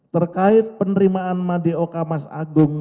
terkait penerimaan madeoka mas agung